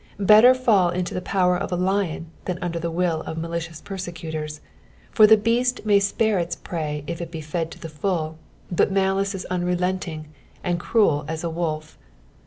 Better fall into the power of a lion than under the will of malicious persecutors, for the beast may spare its prey if it be fed to the fuli^ hut malice is uurelentiDg and cruel as a wolf.